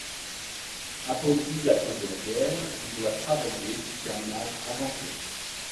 Appauvri à cause de la guerre, il doit travailler jusqu'à un âge avancé.